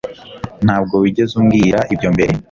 ntabwo wigeze umbwira ibyo mbere